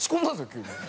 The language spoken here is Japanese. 急に。